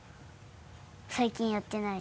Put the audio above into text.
最近やってない。